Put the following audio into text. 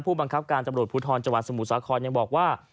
ผู้บังคับการจำบริบุทธรณ์จังหวัดสมุทรสาครอนุยังบอกว่า